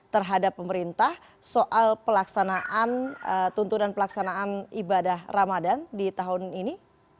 terhadap pemerintah soal pelaksanaan tuntunan pelaksanaan ibadah ramadan di tahun ini